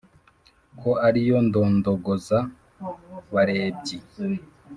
Ko ari yo ndondogoza-barebyi!"